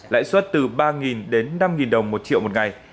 lãi suất từ ba đến năm đồng một triệu một ngày